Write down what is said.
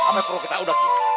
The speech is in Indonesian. amai pro kita udah